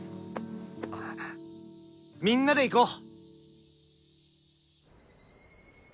みんなで行こう！